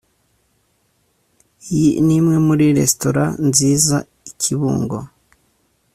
iyi ni imwe muri resitora nziza i kibungo